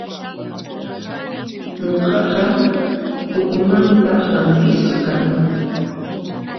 Nuqaqa uhumanta hampisqa kani.